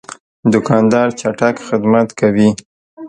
دوکاندار چټک خدمت کوي.